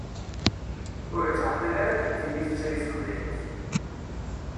Ur ittɛeṭṭil ara ad immet i mi tettali teqbaylit.